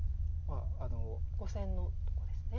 ５線のとこですね。